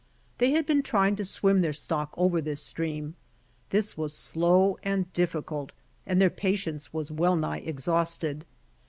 They had been trying to swim their stock over this streaml. This was slow and difficult and their patience was well nigh exhausted.